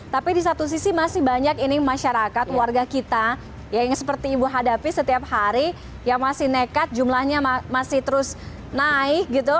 tapi di satu sisi masih banyak ini masyarakat warga kita yang seperti ibu hadapi setiap hari yang masih nekat jumlahnya masih terus naik gitu